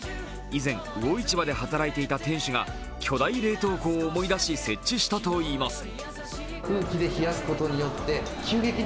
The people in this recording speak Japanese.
以前、魚市場で働いていた店主が巨大冷凍庫を思い出し設置したといいます。